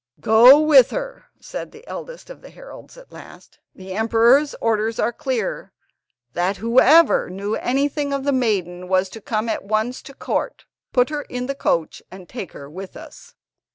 "Go with her," said the eldest of the heralds at last. "The emperor's orders are clear, that whoever knew anything of the maiden was to come at once to court. Put her in the coach and take her with us."